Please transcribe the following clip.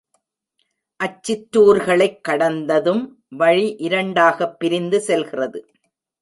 அச்சிற்றூர்களைக் கடந்ததும் வழி இரண்டாகப் பிரிந்து செல்கிறது.